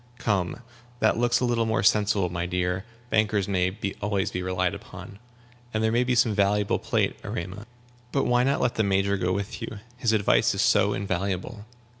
"Come, that looks a little more sensible, my dear; bankers may always be relied upon. And there may be some valuable plate, Erema. But why not let the Major go with you? His advice is so invaluable."